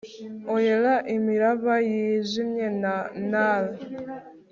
Oer imiraba yijimye ya Nar